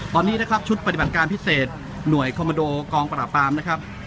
ตอนนี้นะครับชุดปฏิบัติการพิเศษหน่วยคอมโมโดกองปราบปรามนะครับ